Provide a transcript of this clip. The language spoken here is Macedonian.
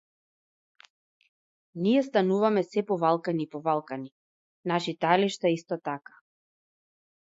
Ние стануваме сѐ повалкани и повалкани, нашите алишта исто така.